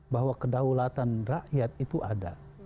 bahwa kedaulatan rakyat itu ada